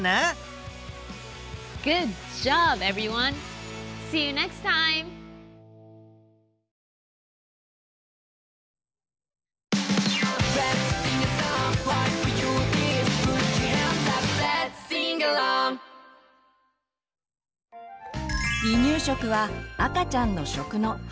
離乳食は赤ちゃんの「食」の初めの一歩。